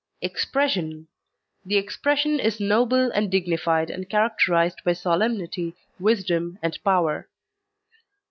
EXPRESSION The expression is noble and dignified and characterised by solemnity, wisdom and power.